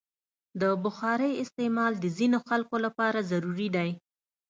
د بخارۍ استعمال د ځینو خلکو لپاره ضروري دی.